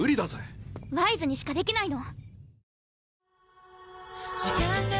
ワイズにしかできないの！